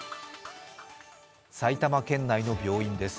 埼玉県内の病院です。